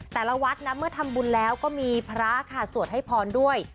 แต่ละวัดนะเมื่อทำบุญแล้วก็มีพระค่ะสวดให้พรด้วย